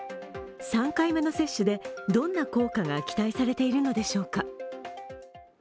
３回目の接種でどんな効果が期待されているのでしょうか。